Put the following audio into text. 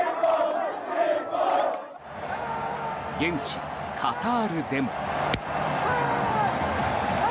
現地、カタールでも。